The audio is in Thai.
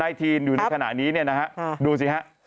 อยู่ในขณะนี้นะครับดูสิครับ